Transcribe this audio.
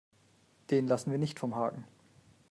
Den lassen wir nicht vom Haken.